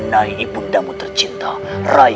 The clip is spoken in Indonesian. jadi hanya bukan mettre balik jambul asyir